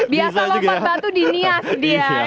biasa lompat batu di nia sih dia